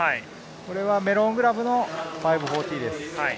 メロングラブの５４０です。